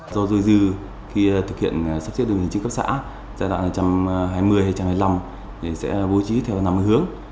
do dôi dư khi thực hiện sáp nhập đơn vị hành trình cấp xã giai đoạn một trăm hai mươi một trăm hai mươi năm sẽ bố trí theo năm hướng